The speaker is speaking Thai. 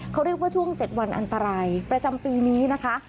เขาเรียกว่าช่วง๗วันอันตรายประจำปีนี้นะคะ